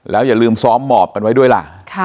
อย่าลืมซ้อมหมอบกันไว้ด้วยล่ะ